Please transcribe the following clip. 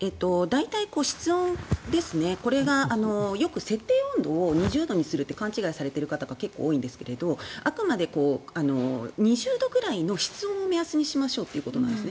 大体、室温これがよく設定温度を２０度にするって勘違いされている方が結構多いんですけどもあくまで２０度くらいの室温を目安にしましょうということなんです。